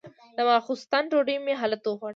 د ماسختن ډوډۍ مې هلته وخوړه.